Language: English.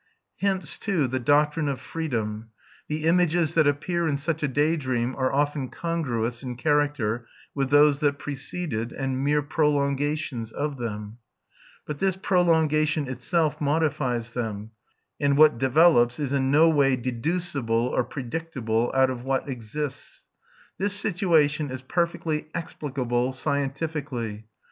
Hence, too, the doctrine of freedom: the images that appear in such a day dream are often congruous in character with those that preceded, and mere prolongations of them; but this prolongation itself modifies them, and what develops is in no way deducible or predictable out of what exists. This situation is perfectly explicable scientifically.